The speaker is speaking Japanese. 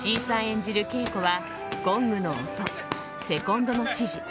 演じるケイコはゴングの音、セコンドの指示